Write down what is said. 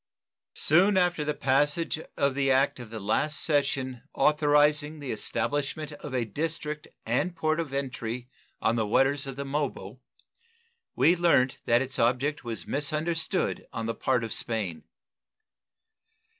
Soon after the passage of the act of the last session authorizing the establishment of a district and port of entry on the waters of the Mobile we learnt that its object was misunderstood on the part of Spain.